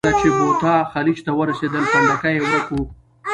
کله چې بوتا خلیج ته ورسېدل، پنډکی یې ورک و.